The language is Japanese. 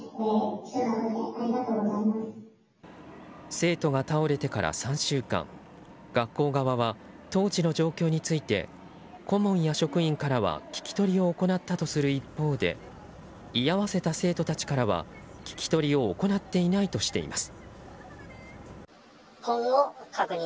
生徒が倒れてから３週間学校側は、当時の状況について顧問や職員からは聞き取りを行ったとする一方で居合わせた生徒たちからは聞き取りを行っていないとしています。